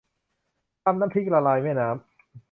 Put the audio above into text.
ตำน้ำพริกละลายแม่น้ำ